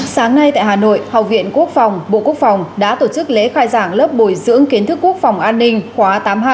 sáng nay tại hà nội học viện quốc phòng bộ quốc phòng đã tổ chức lễ khai giảng lớp bồi dưỡng kiến thức quốc phòng an ninh khóa tám